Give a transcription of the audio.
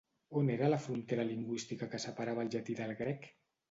On era la frontera lingüística que separava el llatí del grec?